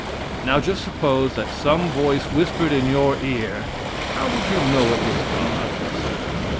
Now just suppose that some voice whispered in your ear, how would you know it was God's?